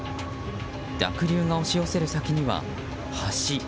濁流が押し寄せる先には橋。